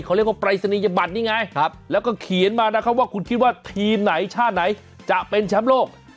เขาเรียกว่าปรายศนียบัตรนี่ไงแล้วก็เขียนมานะครับว่าคุณคิดว่าทีมไหนชาติไหนจะเป็นแชมป์โลก